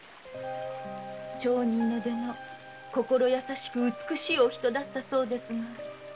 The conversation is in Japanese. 町人の出の心優しく美しいお人だったそうですが。